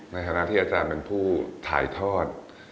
ในฐานะที่อาจารย์เป็นผู้ถ่ายทอด